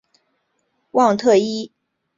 旺特伊。